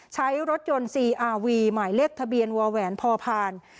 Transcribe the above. ใช้รถยนต์ซีอาวีหมายเลขทะเบียนวแหวนพอผ่าน